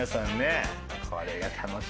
これが楽しみな。